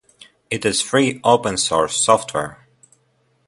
It is free open-source software.